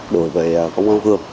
đối với công an phương